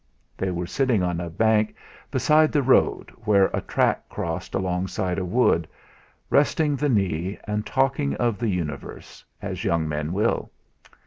They were sitting on a bank beside the road, where a track crossed alongside a wood, resting the knee and talking of the universe, as young men will.